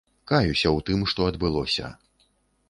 Каюся ў тым, што адбылося.